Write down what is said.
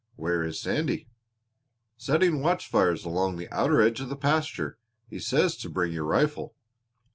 Where is Sandy?" "Setting watch fires along the outer edge of the pasture. He says to bring your rifle."